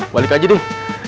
balik aja deh